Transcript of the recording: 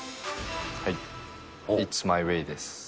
イッツ・マイ・ウェイです。